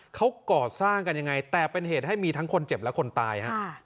เขาก่อสร้างกันยังไงแต่เป็นเหตุให้มีทั้งคนเจ็บและคนตายฮะ